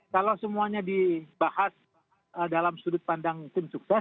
kalau semuanya dibahas dalam sudut pandang tim sukses